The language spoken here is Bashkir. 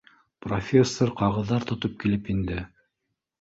Профессор ҡағыҙҙар тотоп килеп инде.